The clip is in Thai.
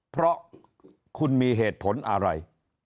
เพราะคุณมีเหตุผลอะไร